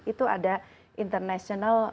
itu ada international